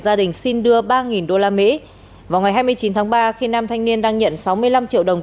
gia đình xin đưa ba usd vào ngày hai mươi chín tháng ba khi nam thanh niên đang nhận sáu mươi năm triệu đồng